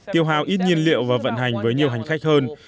tiêu hào ít nhiên liệu và vận hành với nhiều hành khách hơn